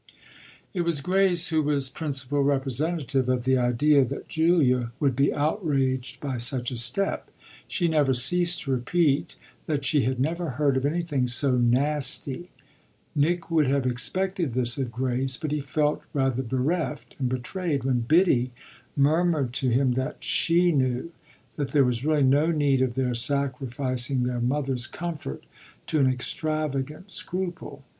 It was Grace who was principal representative of the idea that Julia would be outraged by such a step; she never ceased to repeat that she had never heard of anything so "nasty." Nick would have expected this of Grace, but he felt rather bereft and betrayed when Biddy murmured to him that she knew that there was really no need of their sacrificing their mother's comfort to an extravagant scruple.